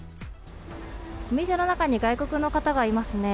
店の中に外国の方がいますね。